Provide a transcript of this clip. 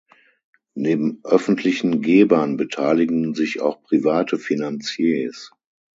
Neben öffentlichen Gebern beteiligen sich auch private Finanziers.